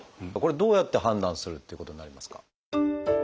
これどうやって判断するっていうことになりますか？